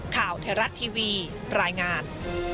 ข่าวไทยรัฐทีวีรายงาน